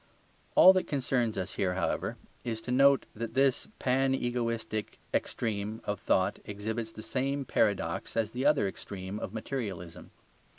All that concerns us here, however, is to note that this panegoistic extreme of thought exhibits the same paradox as the other extreme of materialism.